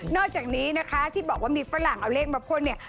อกจากนี้นะคะที่บอกว่ามีฝรั่งเอาเลขมาพ่นเนี่ย